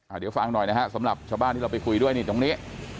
เดี๋ยวฟังหน่อยนะฮะสำหรับชาวบ้านที่เราไปคุยด้วยนี่ตรงนี้